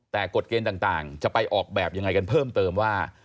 แต่กฎเกณฑ์ต่างจะไปออกแบบยังไงกันเพิ่มเติมว่า